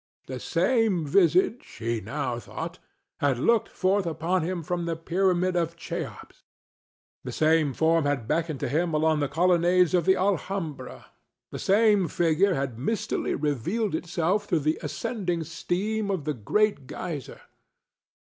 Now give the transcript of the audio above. The same visage, he now thought, had looked forth upon him from the Pyramid of Cheops; the same form had beckoned to him among the colonnades of the Alhambra; the same figure had mistily revealed itself through the ascending steam of the Great Geyser.